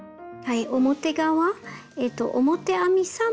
表側表編み３目の模様